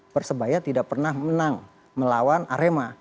persebaya tidak pernah menang melawan arema